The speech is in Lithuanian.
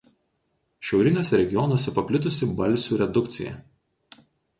Šiauriniuose regionuose paplitusi balsių redukcija.